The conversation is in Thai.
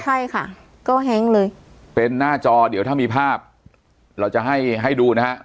ใช่ค่ะก็แฮ้งเลยเป็นหน้าจอเดี๋ยวถ้ามีภาพเราจะให้ให้ดูนะฮะ